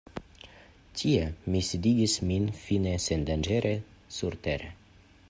Tie mi sidigis min, fine sendanĝere surtere.